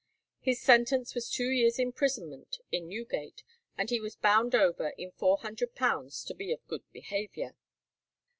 His sentence was two years' imprisonment in Newgate, and he was bound over in £400 to be of good behaviour.